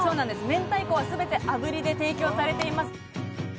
明太子はすべて炙りで提供されています。